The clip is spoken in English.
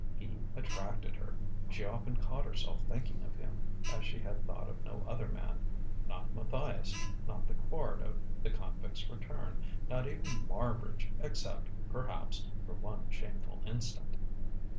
He attracted her. She often caught herself thinking of him as she had thought of no other man not Matthias, not the Quard of "The Convict's Return," not even Marbridge except, perhaps, for one shameful instant.